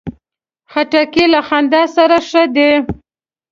خټکی له خندا سره ښه ده.